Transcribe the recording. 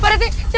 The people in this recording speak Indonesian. pak rt tunggu